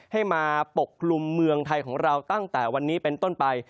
ให้มาปกคลุมเมืองไทยของเราตั้งแต่วันนี้เป็นต้นไป